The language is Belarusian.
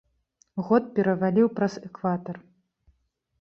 Год пераваліў праз экватар.